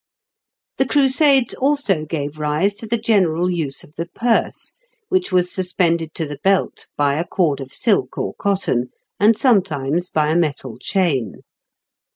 The Crusades also gave rise to the general use of the purse, which was suspended to the belt by a cord of silk or cotton, and sometimes by a metal chain.